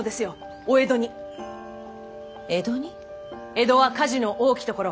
江戸は火事の多きところ。